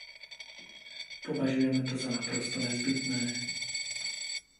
Považujeme to za naprosto nezbytné.